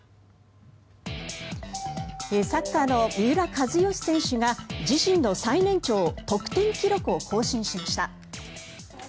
サッカーの三浦知良選手が自身の最年長得点記録を更新しました。